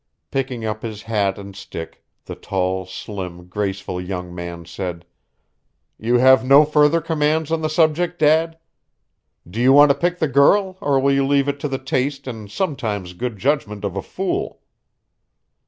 Picking up his hat and stick, the tall, slim, graceful young man said: "You have no further commands on the subject, dad? Do you want to pick the girl, or will you leave it to the taste and sometimes good judgment of a fool?"